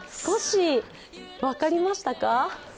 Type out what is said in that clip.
少し分かりましたか？